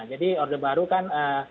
jadi orde baru kan